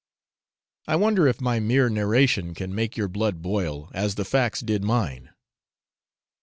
I wonder if my mere narration can make your blood boil, as the facts did mine?